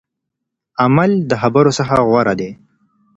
عمل د خبرو څخه غوره دی.